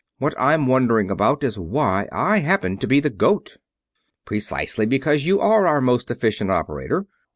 What I'm wondering about is why I happen to be the goat." "Precisely because you are our most efficient operator."